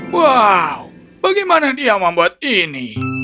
wow bagaimana dia membuat ini